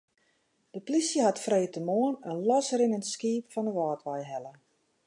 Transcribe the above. De plysje hat freedtemoarn in losrinnend skiep fan de Wâldwei helle.